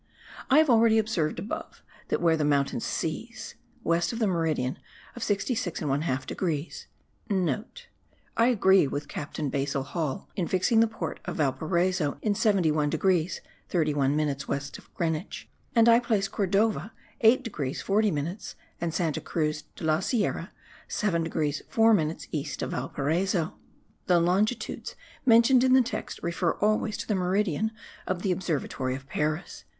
I have already observed above, that where the mountains cease (west* of the meridian of 66 1/2 degrees (* I agree with Captain Basil Hall, in fixing the port of Valparaiso in 71 degrees 31 minutes west of Greenwich, and I place Cordova 8 degrees 40 minutes, and Santa Cruz de la Sierra 7 degrees 4 minutes east of Valparaiso. The longitudes mentioned in the text refer always to the meridian of the Observatory of Paris.))